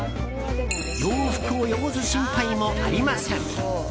洋服を汚す心配もありません。